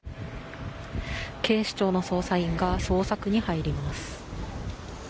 警視庁の捜査員が捜索に入ります。